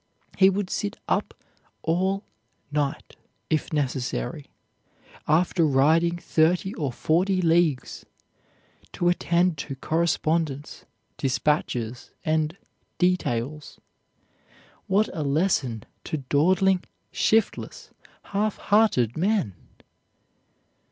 He would sit up all night if necessary, after riding thirty or forty leagues, to attend to correspondence, dispatches and, details. What a lesson to dawdling, shiftless, half hearted men!